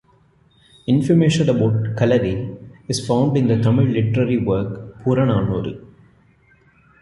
Information about "Kalari" is found in the Tamil literary work Purananuru.